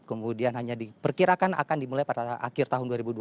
kemudian hanya diperkirakan akan dimulai pada akhir tahun dua ribu dua puluh